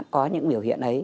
có những biểu hiện ấy